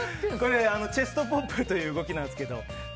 チェストポップという動きなんですけど。